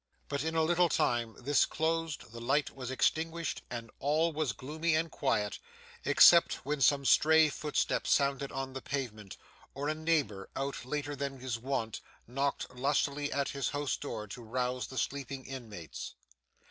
But, in a little time, this closed, the light was extinguished, and all was gloomy and quiet, except when some stray footsteps sounded on the pavement, or a neighbour, out later than his wont, knocked lustily at his house door to rouse the sleeping inmates.